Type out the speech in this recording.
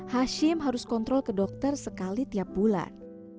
hashim harus kontrol ke dokter sekali tiap bulan